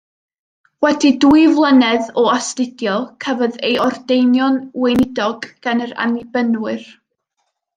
Wedi dwy flynedd o astudio cafodd ei ordeinio'n weinidog gan yr Annibynwyr.